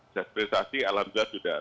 saya serius alhamdulillah sudah